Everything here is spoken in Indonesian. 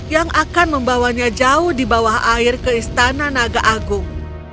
yang akan membawanya jauh di bawah air ke istana naga agung